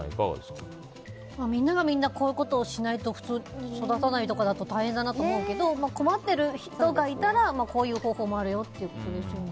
みんながみんなこういうことをしないと普通に育たないとかだと大変だなと思うけど困ってる人がいたらこういう方法もあるよということですよね。